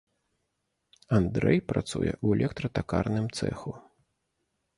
Андрэй працуе ў электра-такарным цэху.